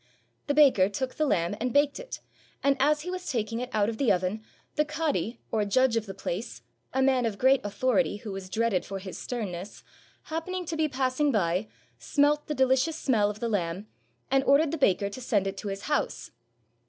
The baker took the lamb and baked it, and as he was taking it out of the oven, the cadi, or judge of the place, a man of great au thority, who was dreaded for his sternness, happening to be passing by, smelt the delicious smell of the lamb, and ordered the baker to send it to his house.